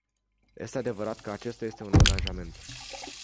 Este adevărat că acesta este un angajament.